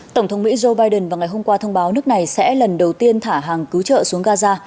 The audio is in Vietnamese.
tổng thống mỹ joe biden vào ngày hôm qua thông báo nước này sẽ lần đầu tiên thả hàng cứu trợ xuống gaza